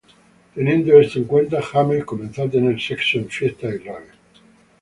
Teniendo esto en cuenta, James comenzó a tener sexo en fiestas y raves.